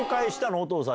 お父さん！